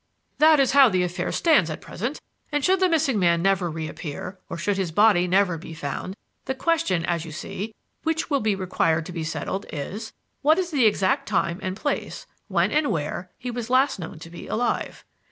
"That is how the affair stands at present, and, should the missing man never reappear or should his body never be found, the question, as you see, which will be required to be settled is, 'What is the exact time and place, when and where, he was last known to be alive!'